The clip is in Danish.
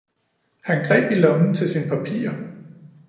han greb i lommen til sine papirer.